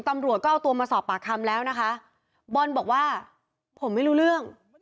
ตำรวจก็เอาตัวมาสอบปากคำแล้วนะคะบอลบอกว่าผมไม่รู้เรื่อง